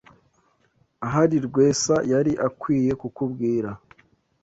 Ahari Rwesa yari akwiye kukubwira.